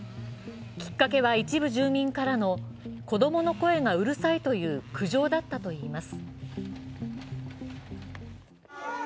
きっかけは一部住民からの子供の声がうるさいという苦情だったといいます。